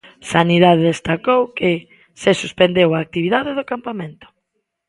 Sanidade destacou que "se suspendeu a actividade do campamento".